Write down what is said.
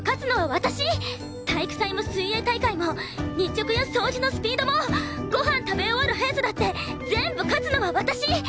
体育祭も水泳大会も日直や掃除のスピードもご飯食べ終わる早さだって全部勝つのは私！